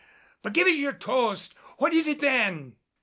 But give us your toast. What is it, then?"